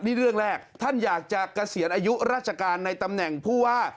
นี่เรื่องแรกท่านอยากจะเกษียณอายุราชการในตำแหน่งผู้ว่า